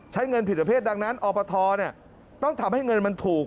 เงินผิดประเภทดังนั้นอปทต้องทำให้เงินมันถูก